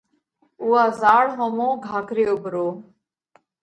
اُوئا زاۯ ۿومو گھا ڪريو پرو۔